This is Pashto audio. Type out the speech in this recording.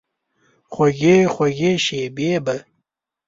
خوږې، خوږې شیبې به،